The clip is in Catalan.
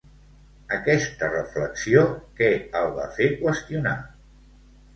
Aquesta reflexió, què el va fer qüestionar?